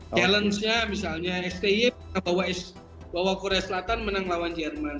challengenya misalnya sty bahwa korea selatan menang lawan jerman